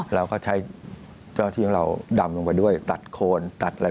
เราก็ใช้เจ้าที่ของเราดำลงไปด้วยตัดโคนตัดอะไร